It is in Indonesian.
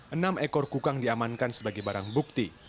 enam ekor kukang diamankan sebagai barang bukti